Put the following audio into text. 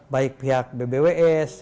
baik pihak bbws